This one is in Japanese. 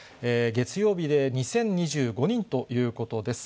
月曜日で２０２５人ということです。